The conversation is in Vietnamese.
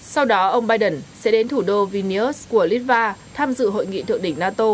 sau đó ông biden sẽ đến thủ đô vinius của litva tham dự hội nghị thượng đỉnh nato